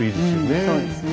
そうですね。